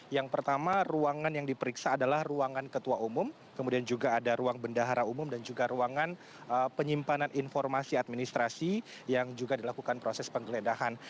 yang pertama ruangan yang diperiksa adalah ruangan ketua umum kemudian juga ada ruang bendahara umum dan juga ruangan penyimpanan informasi administrasi yang juga dilakukan proses penggeledahan